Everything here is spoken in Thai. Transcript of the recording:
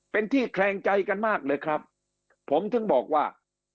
เป็นที่แคลงใจกันมากเลยครับผมถึงบอกว่า